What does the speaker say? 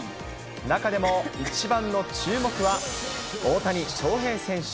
中でも一番の注目は、大谷翔平選手。